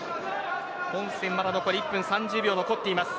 本戦残り１分３０秒が残っています。